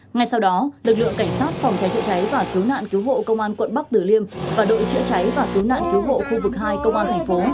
ngay sau đó lực lượng cảnh sát phòng cháy chữa cháy và cứu nạn cứu hộ công an quận bắc tử liêm và đội chữa cháy và cứu nạn cứu hộ khu vực hai công an thành phố